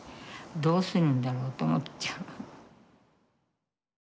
どうするんだろうと思っちゃう。